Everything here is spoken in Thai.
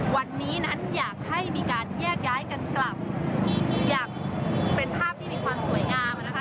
วันนี้นั้นอยากให้มีการแยกย้ายกันกลับอย่างเป็นภาพที่มีความสวยงามนะคะ